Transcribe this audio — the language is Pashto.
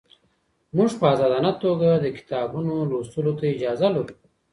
موږ په ازادانه توګه د کتابونو لوستلو ته اجازه لرو.